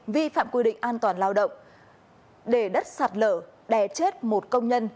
vi phạm quy định an toàn lao động để đất sạt lở đè chết một công nhân